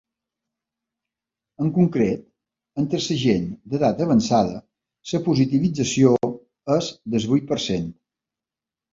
En concret, entre la gent d’edat avançada la positivització és del vuit per cent.